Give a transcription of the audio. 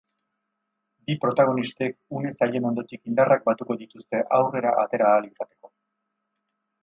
Bi protagonistek une zailen ondotik indarrak batuko dituzte aurrera atera ahal izateko.